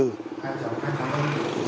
dữ liệu dân cư